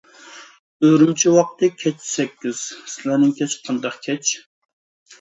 ئۈرۈمچى ۋاقتى كەچ سەككىز، سىلەرنىڭ كەچ قانداق كەچ؟